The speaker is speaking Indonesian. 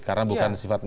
karena bukan sifat